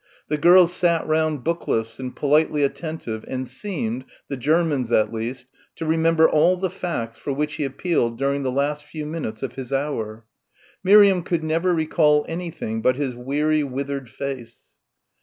The girls sat round bookless and politely attentive and seemed, the Germans at least, to remember all the facts for which he appealed during the last few minutes of his hour. Miriam could never recall anything but his weary withered face.